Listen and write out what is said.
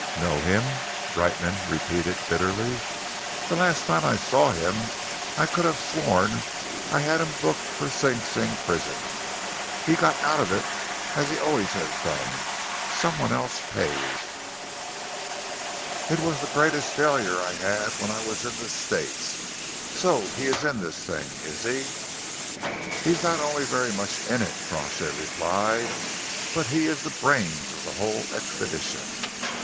"Know him!" Brightman repeated bitterly. "The last time I saw him I could have sworn that I had him booked for Sing Sing prison. He got out of it, as he always has done. Some one else paid. It was the greatest failure I had when I was in the States. So he is in this thing, is he?" "He is not only very much in it," Crawshay replied, "but he is the brains of the whole expedition.